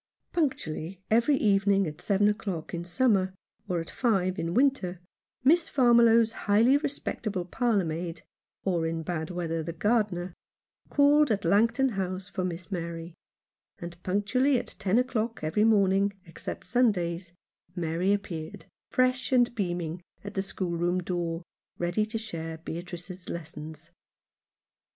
54 Alone in London. Punctually every evening, at seven o'clock in summer, or at five in winter, Miss Farmiloe's highly respectable parlour maid — or in bad weather the gardener — called at Langton House for Miss Mary ; and punctually at ten o'clock every morn ing, except Sundays, Mary appeared, fresh and beaming, at the schoolroom door, ready to share Beatrice's lessons.